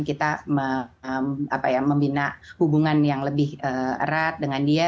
kita membina hubungan yang lebih erat dengan dia